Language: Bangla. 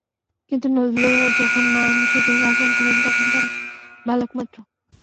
কিন্তু নজরুল যখন মানসিক রোগে আক্রান্ত হলেন, তখন তাঁরা বালক মাত্র।